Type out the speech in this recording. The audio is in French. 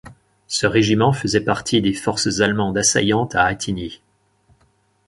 Ce régiment faisait partie des forces allemandes assaillantes à Attigny.